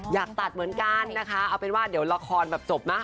อยากตัดเหมือนกันนะคะเอาเป็นว่าเดี๋ยวละครแบบจบนะ